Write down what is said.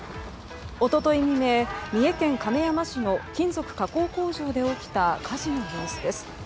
一昨日未明、三重県亀山市の金属加工工場で起きた火事の様子です。